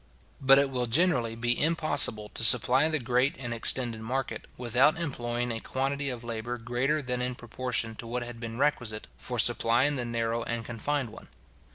But it will generally be impossible to supply the great and extended market, without employing a quantity of labour greater than in proportion to what had been requisite for supplying the narrow and confined one.